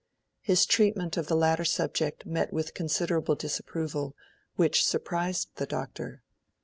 His treatment of the latter subject met with considerable disapproval, which surprised the Doctor.